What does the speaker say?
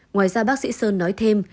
ngoài ra bác sĩ sơn nói thêm